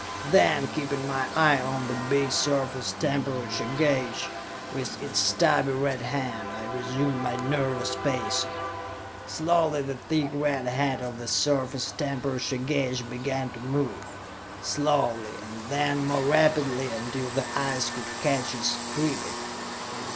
Then, keeping my eye on the big surface temperature gauge, with its stubby red hand, I resumed my nervous pacing. Slowly the thick red hand of the surface temperature gauge began to move; slowly, and then more rapidly, until the eyes could catch its creeping.